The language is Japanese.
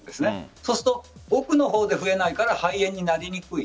そうすると奥の方で増えないから肺炎になりにくい。